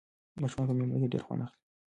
ماشومان په مېله کې ډېر خوند اخلي.